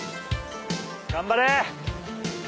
「頑張れ！」